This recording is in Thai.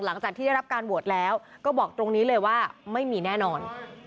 หลังจากที่ได้รับการโหวตแล้วก็บอกตรงนี้เลยว่าไม่มีแน่นอน